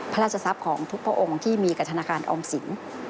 พระราชทรัพย์ของทุกพระองค์ที่มีกับธนาคารออมสิน